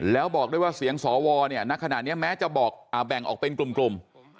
แล้วบอกด้วยว่าเสียงสวเนี่ยณขณะนี้แม้จะบอกแบ่งออกเป็นกลุ่ม